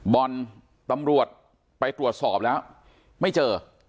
บอลตำรวจไปตรวจสอบแล้วไม่เจอ